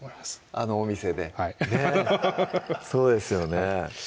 あのお店でそうですよね